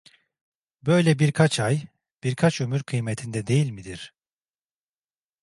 Böyle birkaç ay, birkaç ömür kıymetinde değil midir?